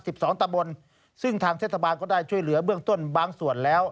สองตะบนซึ่งทางเทศบาลก็ได้ช่วยเหลือเบื้องต้นบางส่วนแล้ว